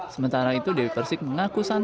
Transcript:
sementara itu dewi persik mengaku saat ini